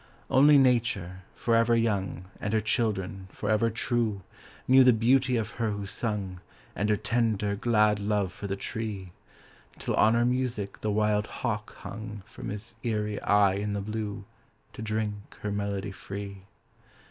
Only nature, forever young, And her children, forever true, Knew the beauty of her who sung And her tender, glad love for the tree; Till on her music the wild hawk hung From his eyrie high in the blue To drink her melody free.